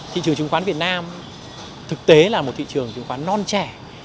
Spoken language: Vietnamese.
thị trường chứng khoán việt nam thực tế là một thị trường chứng khoán non trẻ